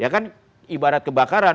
ya kan ibarat kebakaran